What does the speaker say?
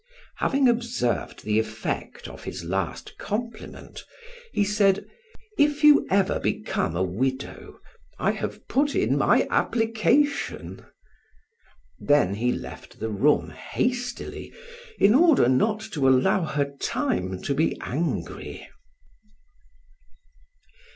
Having observed the effect of his last compliment, he said: "If you ever become a widow, I have put in my application!" Then he left the room hastily in order not to allow her time to be angry.